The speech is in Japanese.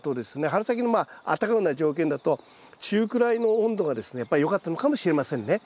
春先のまああったかくなる条件だと中くらいの温度がですねやっぱりよかったのかもしれませんね。